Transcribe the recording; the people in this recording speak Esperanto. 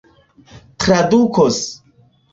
tradukos